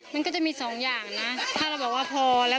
มันก็จะมีสองอย่างนะถ้าเราบอกว่าพอแล้ว